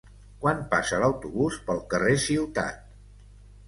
Quan passa l'autobús pel carrer Ciutat?